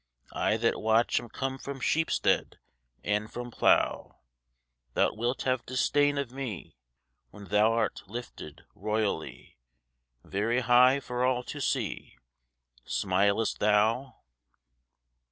I that watch am come from sheep stead And from plough. Thou wilt have disdain of me When Thou'rt lifted, royally, Very high for all to see: Smilest Thou?